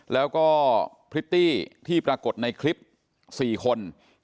แล้วก็พริตตี้ที่ปรากฏในคลิป๔คน